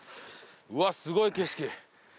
うわすごい景色。